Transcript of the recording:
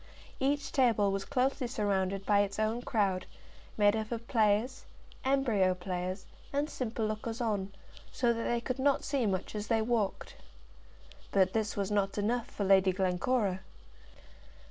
Each table was closely surrounded by its own crowd, made up of players, embryo players, and simple lookers on, so that they could not see much as they walked. But this was not enough for Lady Glencora.